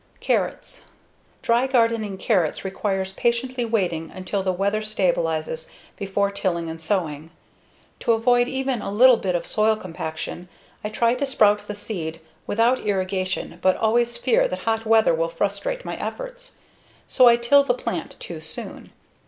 Carrots Dry gardening carrots requires patiently waiting until the weather stabilizes before tilling and sowing. To avoid even a little bit of soil compaction, I try to sprout the seed without irrigation but always fear that hot weather will frustrate my efforts. So I till and plant too soon.